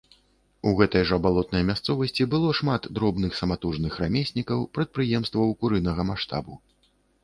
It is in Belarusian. У гэтай жа балотнай мясцовасці было шмат дробных саматужных рамеснікаў, прадпрыемстваў курынага маштабу.